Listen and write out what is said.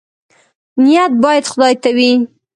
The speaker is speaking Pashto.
نیت باید خدای ته وي